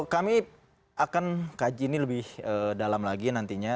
kami akan kaji ini lebih dalam lagi nantinya